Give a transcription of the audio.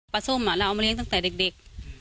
ส้มเราเอามาเลี้ยงตั้งแต่เด็ก